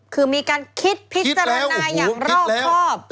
คือมีการคิดพิจารณาอย่างรอบครอบ